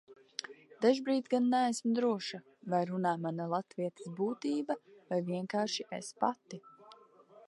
Dažbrīd gan neesmu droša, vai runā mana latvietes būtība vai vienkārši es pati.